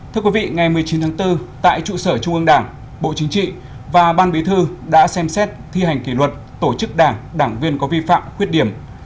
thưa quý vị ngày một mươi chín tháng bốn tại trụ sở trung ương đảng bộ chính trị và ban bí thư đã xem xét thi hành kỷ luật tổ chức đảng đảng viên có vi phạm khuyết điểm